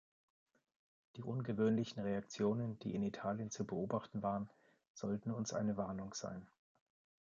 Die ungewöhnlichen Reaktionen, die in Italien zu beobachten waren, sollten uns eine Warnung sein.